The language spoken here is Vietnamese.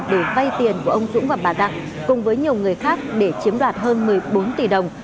để vay tiền của ông dũng và bà đặng cùng với nhiều người khác để chiếm đoạt hơn một mươi bốn tỷ đồng